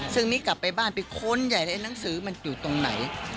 ซึ่งมิกลับไปบ้านไปค้นใหญ่เลยหนังสือมันอยู่ตรงไหน